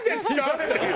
っていう。